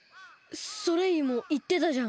ソレイユもいってたじゃん。